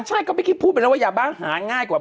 ใช่ก็เมื่อกี้พูดไปแล้วว่ายาบ้าหาง่ายกว่า